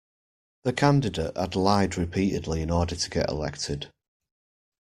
The candidate had lied repeatedly in order to get elected